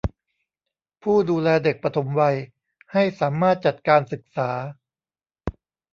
ผู้ดูแลเด็กปฐมวัยให้สามารถจัดการศึกษา